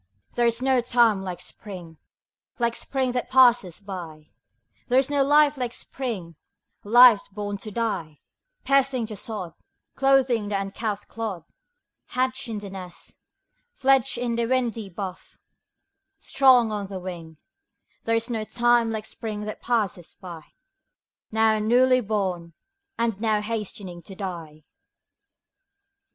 There is no time like Spring, Like Spring that passes by; 30 There is no life like Spring life born to die, Piercing the sod, Clothing the uncouth clod, Hatched in the nest, Fledged on the windy bough, Strong on the wing: There is no time like Spring that passes by, Now newly born, and now Hastening to die.